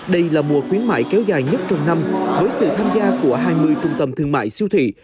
đây là mùa khuyến mại kéo dài nhất trong năm với sự tham gia của hai mươi trung tâm thương mại siêu thị